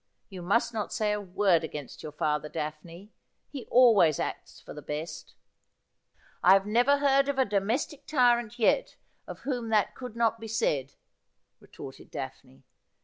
You must not say a word against your father, Daphne. He always acts for the best.' ' I never heard of a domestic tyrant yet of whom that could not be said,' retorted Daphne.